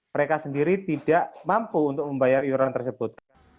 mereka sendiri tidak mampu untuk membayar iuran tersebut